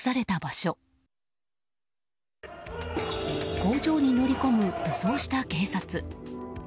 工場に乗り込む武装した警察。